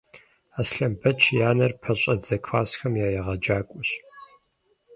Аслъэнбэч и анэр пэщӏэдзэ классхэм я егъэджакӏуэщ.